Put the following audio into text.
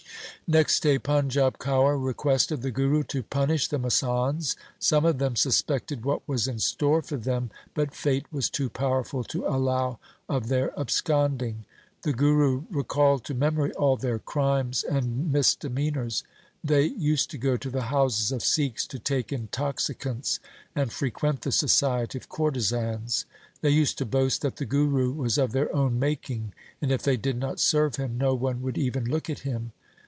Next day Panjab Kaur requested the Guru to punish the masands. Some of them suspected what was in store for them, but fate was too powerful to allow of their absconding. The Guru recalled to memory all their crimes and misdemeanours. They used to go to the houses of Sikhs to take intoxicants, and frequent the society of courtesans. They used to boast that the Guru was of their own making, and, if they did not serve him, no one would even look at him.